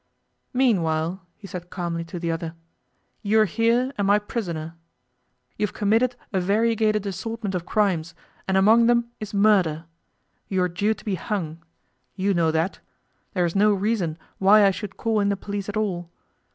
'Meanwhile,' he said calmly to the other, 'you're here and my prisoner. You've committed a variegated assortment of crimes, and among them is murder. You are due to be hung. You know that. There is no reason why I should call in the police at all.